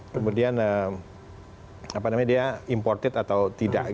kemudian dia imported atau tidak